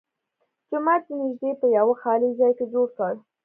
جومات یې نږدې په یوه خالي ځای کې جوړ کړ.